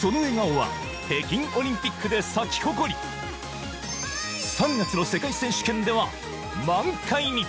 その笑顔は北京オリンピックで咲き誇り、３月の世界選手権では満開に。